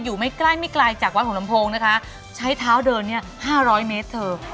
ไม่ใกล้ไม่ไกลจากวัดหัวลำโพงนะคะใช้เท้าเดินเนี่ยห้าร้อยเมตรเธอ